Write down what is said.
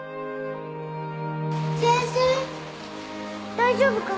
大丈夫か？